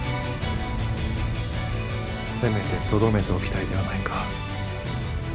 せめてとどめておきたいではないか。